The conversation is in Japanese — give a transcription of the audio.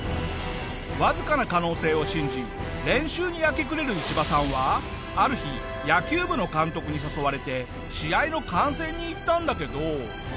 わずかな可能性を信じ練習に明け暮れるイチバさんはある日野球部の監督に誘われて試合の観戦に行ったんだけど。